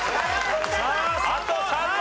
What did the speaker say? あと３問！